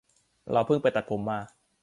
เราเพิ่งไปตัดผมมา